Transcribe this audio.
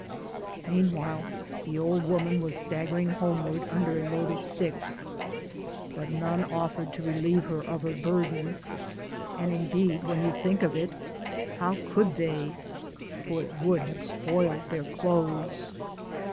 Meanwhile the old woman was staggering homeward under a load of sticks — but none offered to relieve her of her burden. But indeed when you think of it, how could they? for it would have spoiled their clothes.